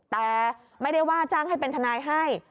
แต่ไม่ได้ว่าจ้างให้เป็นทนายให้